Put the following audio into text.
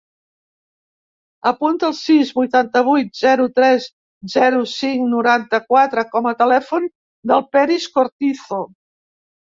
Apunta el sis, vuitanta-vuit, zero, tres, zero, cinc, noranta-quatre com a telèfon del Peris Cortizo.